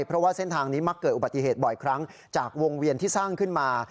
เพราะว่าเส้นทางนี้มักเกิดอุบัติเหตุบ่อยครั้งจากวงเวียนที่สร้างขึ้นมา